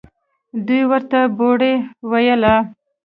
دوى ورته بوړۍ ويله.